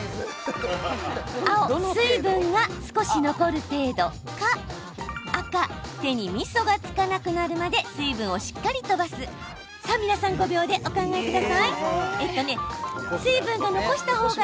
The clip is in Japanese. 青・水分が少し残る程度赤・手にみそがつかなくなるまで水分をしっかり飛ばす皆さん５秒でお答えください。